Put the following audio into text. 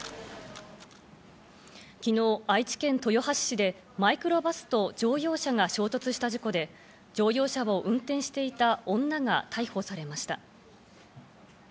昨日、愛知県豊橋市でマイクロバスと乗用車が衝突した事故で、乗用車を運転していた女が逮捕されました。